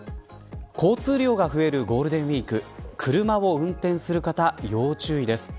交通量が増えるゴールデンウイーク車を運転する方要注意です。